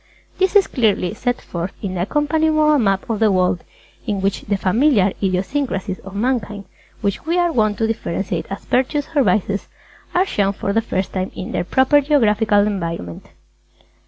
This is clearly set forth in the accompanying Moral Map of the World in which the familiar idiosyncrasies of Mankind which we are wont to differentiate as Virtues or Vices are shown for the first time in their proper geographical environment.